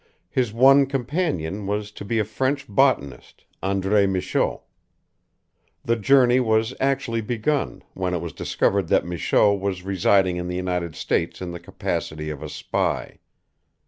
His one companion was to be a French botanist, André Michaux. The journey was actually begun, when it was discovered that Michaux was residing in the United States in the capacity of a spy.